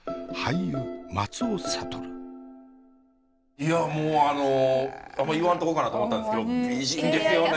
いやもうあの言わんとこうかなと思ったんですけど美人ですよね。